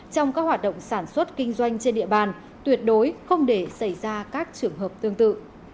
trong các hoạt động sản xuất kinh doanh trên địa bàn tuyệt đối không để xảy ra các trường hợp tương tự